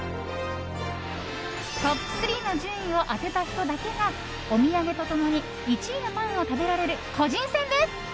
トップ３の順位を当てた人だけがお土産と共に１位のパンを食べられる個人戦です。